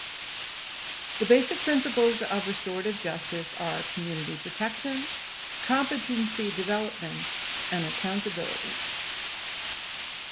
The basic principles of restorative justice are community protection, competency development, and accountability.